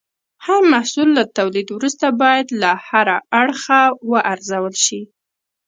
هر محصول له تولید وروسته باید له هر اړخه وارزول شي.